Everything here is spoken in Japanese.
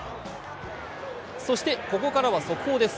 そしてここからは速報です。